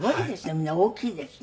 みんな大きいですね。